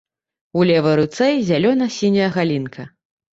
У левай руцэ зялёна-сіняя галінка.